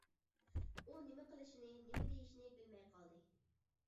ئۇ نېمە قىلىشىنى، نېمە دېيىشىنى بىلمەي قالدى.